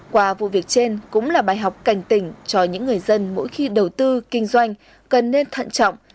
qua vụ việc trên cũng là bài học cảnh tỉnh cho những người dân mỗi khi đầu tư kinh doanh cần nên thận trọng